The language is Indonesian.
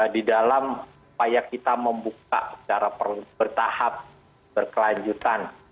di dalam upaya kita membuka secara bertahap berkelanjutan